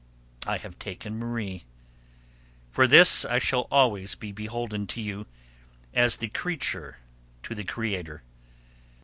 I have taken Marie. For this I shall always be beholden to you, as the creature to the Creator.